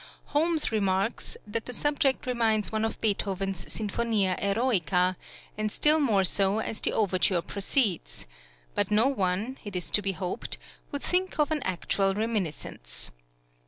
Holmes remarks that the subject reminds one of Beethoven's Sinfonia Eroica, and still more so as the overture proceeds; but no one, it is to {THE FIRST OPERA IN VIENNA.} (92) be hoped, would think of an actual reminiscence.